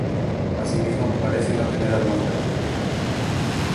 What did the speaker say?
Asimismo parece no tener atmósfera.